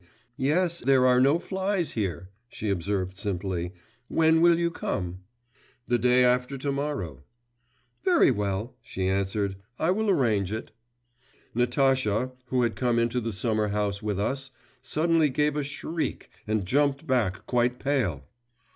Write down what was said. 'Yes, there are no flies here,' she observed simply. 'When will you come?' 'The day after to morrow.' 'Very well,' she answered. 'I will arrange it.' Natasha, who had come into the summer house with us, suddenly gave a shriek and jumped back, quite pale.